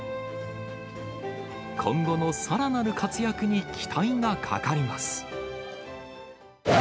今後のさらなる活躍に期待がかかります。